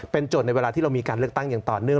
โจทย์ในเวลาที่เรามีการเลือกตั้งอย่างต่อเนื่อง